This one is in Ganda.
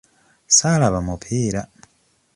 Ssaalaba mupiira.